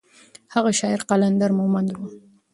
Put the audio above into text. هغه شاعر قلندر مومند و.